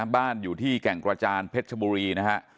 บ้านอยู่ที่แก่งกระจานเพชรชบุรีนะฮะ